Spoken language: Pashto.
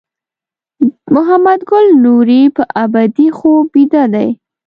محمد ګل نوري په ابدي خوب بیده دی.